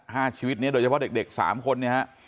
ห้าชีวิตเนี่ยโดยเฉพาะเด็ก๓คนเนี่ยฮะ